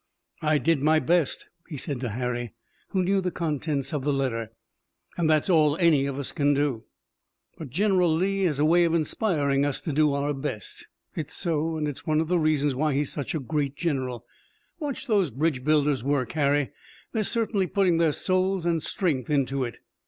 "I did my best," he said to Harry, who knew the contents of the letter, "and that's all any of us can do." "But General Lee has a way of inspiring us to do our best." "It's so, and it's one of the reasons why he's such a great general. Watch those bridge builders work, Harry! They're certainly putting their souls and strength into it."